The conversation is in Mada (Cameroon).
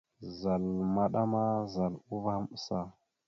Zal maɗa ma, zal uvah maɓəsa.